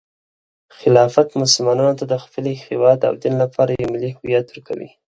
خلافت مسلمانانو ته د خپل هیواد او دین لپاره یو ملي هویت ورکوي.